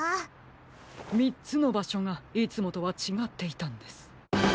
３つのばしょがいつもとはちがっていたんです！